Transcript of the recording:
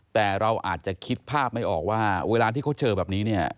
แต่เราอาจจะคิดภาพไม่ออกว่าเวลาที่เขาเจอแบบนี้เนี่ย